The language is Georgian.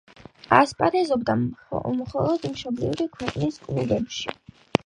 ასპარეზობდა მხოლოდ მშობლიური ქვეყნის კლუბებში.